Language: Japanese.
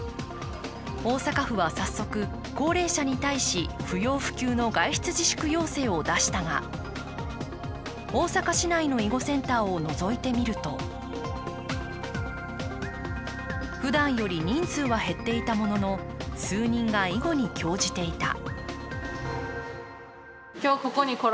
大阪府は早速、高齢者に対し不要不急の外出自粛要請を出したが、大阪市内の囲碁センターをのぞいてみるとふだんより人数は減っていたものの数人が囲碁に興じていた。